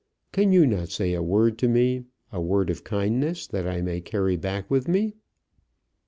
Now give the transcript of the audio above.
Can you not say a word to me, a word of kindness, that I may carry back with me?"